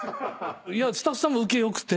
スタッフさんもウケ良くて。